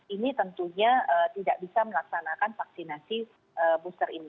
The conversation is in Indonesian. ini tentunya tidak bisa melaksanakan vaksinasi booster ini